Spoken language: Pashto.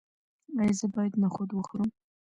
ایا زه باید نخود وخورم؟